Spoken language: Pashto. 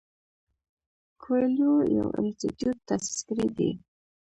کویلیو یو انسټیټیوټ تاسیس کړی دی.